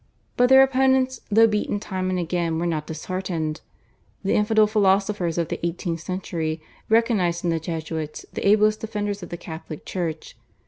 But their opponents though beaten time and again were not disheartened. The infidel philosophers of the eighteenth century recognised in the Jesuits the ablest defenders of the Catholic Church.